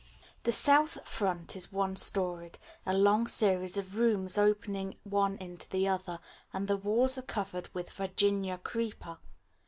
The south front is one storied, a long series of rooms opening one into the other, and the walls are covered with virginia creeper.